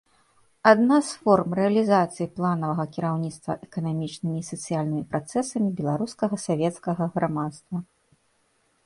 Адна з форм рэалізацыі планавага кіраўніцтва эканамічнымі і сацыяльнымі працэсамі беларускага савецкага грамадства.